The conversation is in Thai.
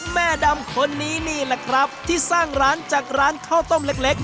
แม่ดำคนนี้นี่แหละครับที่สร้างร้านจากร้านข้าวต้มเล็ก